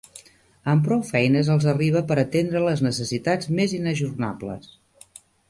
Amb prou feines els arriba per atendre les necessitats més inajornables.